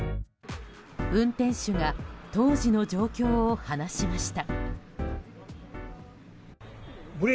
運転手が当時の状況を話しました。